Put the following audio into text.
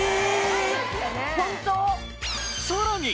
さらに。